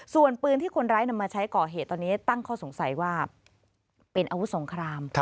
ส่วนปืนที่คนร้ายนำมาใช้ก่อเหตุตอนนี้ตั้งข้อสงสัยว่าเป็นอาวุธสงคราม